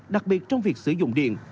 đặc biệt trong việc sử dụng điện